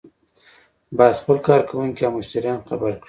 باید خپل کارکوونکي او مشتریان خبر کړي.